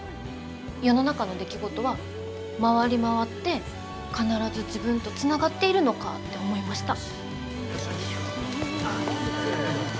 世の中の出来事は回り回って必ず自分とつながっているのかって思いました。